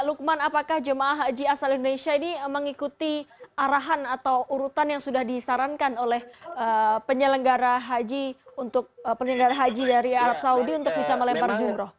lukman apakah jemaah haji asal indonesia ini mengikuti arahan atau urutan yang sudah disarankan oleh penyelenggara haji untuk penyelenggaran haji dari arab saudi untuk bisa melempar jumroh